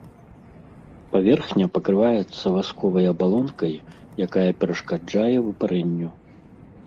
Паверхня пакрываецца васковай абалонкай, якая перашкаджае выпарэнню.